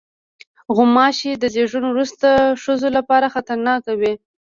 غوماشې د زیږون وروسته ښځو لپاره خطرناک وي.